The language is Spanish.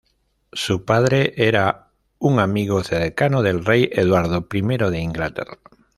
Su padre era un amigo cercano del rey Eduardo I de Inglaterra.